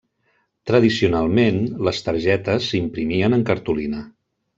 Tradicionalment, les targetes s'imprimien en cartolina.